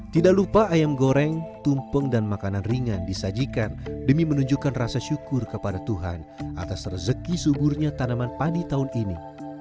tidak lupa ayam goreng tumpeng dan makanan ringan disajikan demi menunjukkan rasa syukur kepada tuhan atas rezeki suburnya tanaman padi tahun ini